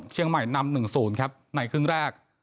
เชียงใหม่นำหนึ่งศูนย์ครับในครึ่งแรก